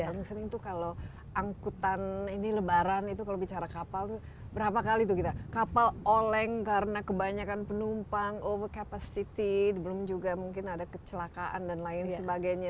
paling sering tuh kalau angkutan ini lebaran itu kalau bicara kapal itu berapa kali tuh kita kapal oleng karena kebanyakan penumpang over capacity belum juga mungkin ada kecelakaan dan lain sebagainya